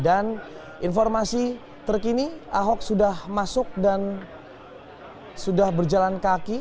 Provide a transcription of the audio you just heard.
dan informasi terkini ahok sudah masuk dan sudah berjalan kaki